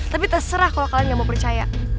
tapi terserah kalau kalian gak mau percaya